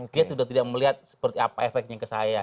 dia sudah tidak melihat seperti apa efeknya ke saya